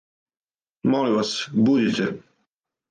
Молим вас, будите.